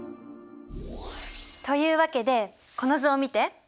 というわけでこの図を見て。